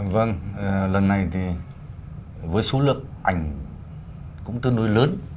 vâng lần này thì với số lượng ảnh cũng tương đối lớn